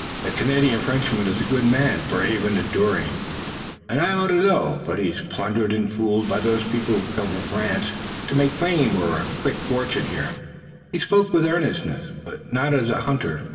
The Canadian Frenchman is a good man, brave and enduring, as I ought to know, but he's plundered and fooled by those people who come from France to make fame or quick fortunes here." He spoke with earnestness, but not as a hunter.